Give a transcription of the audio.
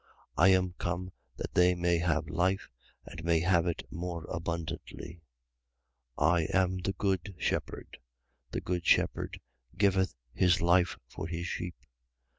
I am come that they may have life and may have it more abundantly. 10:11. I am the good shepherd. The good shepherd giveth his life for his sheep.